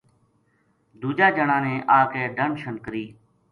دوجا جنا نے آ کے ڈنڈ شن کری